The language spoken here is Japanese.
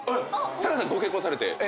酒井さんご結婚されて。